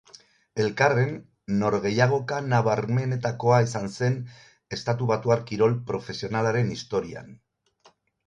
Elkarren norgehiagoka nabarmenetakoa izan zen estatubatuar kirol profesionalaren historian.